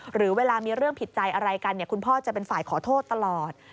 หรือเวลามีเรื่องผิดใจอะไรกันคุณพ่อจะเป็นฝ่ายขอโทษตลอด